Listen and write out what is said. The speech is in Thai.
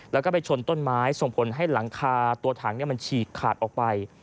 แล้วก็ไปชนต้นไม้ส่งผลให้หลังคาตัวถังมันฉีกขาดออกไป